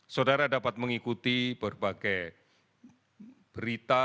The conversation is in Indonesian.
saudara dapat mengikuti berbagai berita